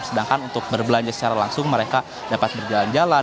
sedangkan untuk berbelanja secara langsung mereka dapat berjalan jalan